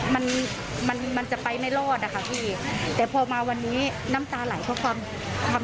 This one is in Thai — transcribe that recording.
มันมันมันจะไปไม่รอดอะค่ะพี่แต่พอมาวันนี้น้ำตาไหลเพราะความความ